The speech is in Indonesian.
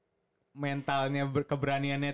maksudnya mentalnya keberaniannya tuh gimana